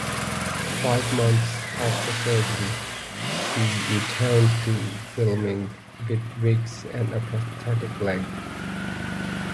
Five months after surgery, she returned to filming, with wigs and a prosthetic leg.